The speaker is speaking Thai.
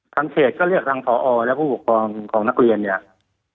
เขตก็เรียกทางพอและผู้ปกครองของนักเรียนเนี่ย